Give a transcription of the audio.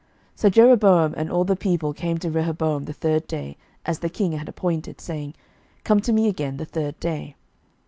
11:012:012 So Jeroboam and all the people came to Rehoboam the third day, as the king had appointed, saying, Come to me again the third day.